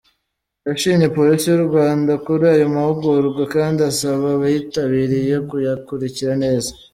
Yashimye Polisi y’u Rwanda kuri ayo mahugurwa kandi asaba abayitabiriye kuyakurikra neza.